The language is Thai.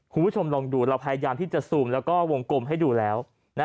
คุณผู้ชมลองดูเราพยายามที่จะซูมแล้วก็วงกลมให้ดูแล้ว